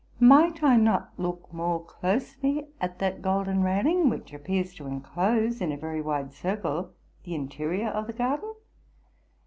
Might I not look more closely at that golden railing, which appears to enclose in a very wide circle the interior of the garden?